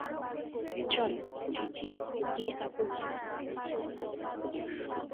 চল ত্রিচি গিয়ে কাপড় কিনি।